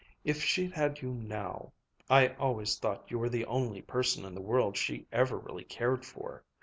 If she'd had you, now I always thought you were the only person in the world she ever really cared for.